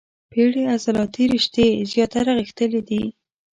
پېړې عضلاتي رشتې زیاتره غښتلي دي.